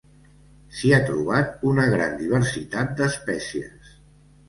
S'hi ha trobat una gran diversitat d'espècies.